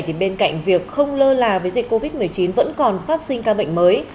thì bên cạnh việc không lơ là với dịch covid một mươi chín vẫn còn phát sinh ca bệnh mới